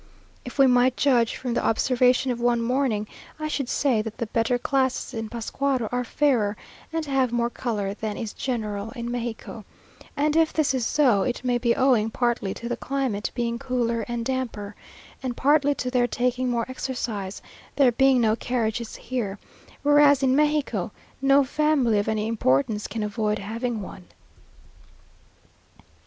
If we might judge from the observation of one morning, I should say that the better classes in Pascuaro are fairer and have more colour than is general in Mexico; and if this is so, it may be owing partly to the climate being cooler and damper, and partly to their taking more exercise (there being no carriages here), whereas in Mexico no family of any importance can avoid having one.